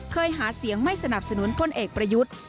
หาเสียงไม่สนับสนุนพลเอกประยุทธ์